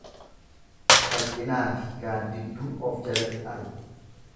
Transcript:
Salphinaafi gaaddidduu of jalatti argu.